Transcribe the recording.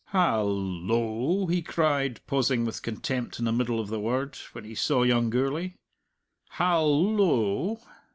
"Hal lo!" he cried, pausing with contempt in the middle of the word, when he saw young Gourlay. "Hal lo!